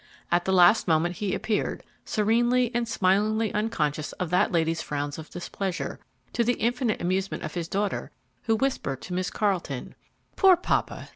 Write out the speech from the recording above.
At the last moment he appeared, serenely and smilingly unconscious of that lady's frowns of displeasure, to the infinite amusement of his daughter, who whispered to Miss Carleton, "Poor papa!